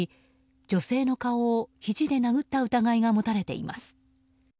女性の顔を、ひじで殴った疑いが持たれています。